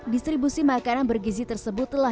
distribusi makanan bergizi tersebut telah